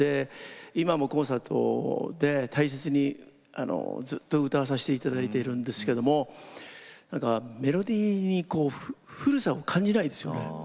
今もコンサートで大切にずっと歌わさせて頂いているんですけどもメロディーにこう古さを感じないんですよね。